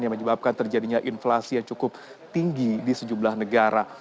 yang menyebabkan terjadinya inflasi yang cukup tinggi di sejumlah negara